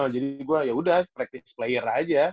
jadi gua yaudah practice player aja